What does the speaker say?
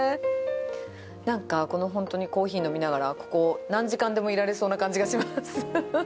なんか、この本当に、このコーヒー飲みながら、ここ何時間でもいられそうな感じがします。